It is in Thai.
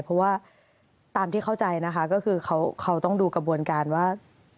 เพราะว่าตามที่เข้าใจนะคะก็คือเขาต้องดูกระบวนการว่า